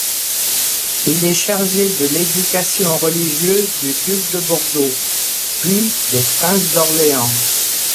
Il est chargé de l’éducation religieuse du duc de Bordeaux, puis des princes d’Orléans.